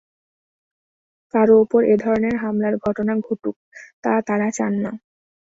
কারও ওপর এ ধরনের হামলার ঘটনা ঘটুক, তা তাঁরা চান না।